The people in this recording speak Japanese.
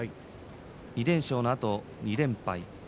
２連勝のあと２連敗。